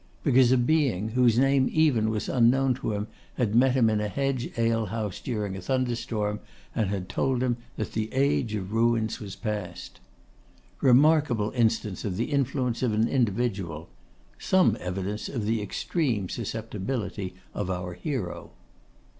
Because a being, whose name even was unknown to him, had met him in a hedge alehouse during a thunderstorm, and told him that the Age of Ruins was past. Remarkable instance of the influence of an individual; some evidence of the extreme susceptibility of our hero.